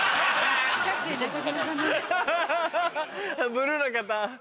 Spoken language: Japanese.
ブルーの方。